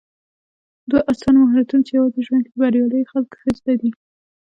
دوه اسانه مهارتونه چې يوازې ژوند کې د برياليو خلکو ښه زده دي